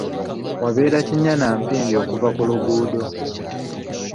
Wabeera kinnya na mpindi okuva ku luguudo.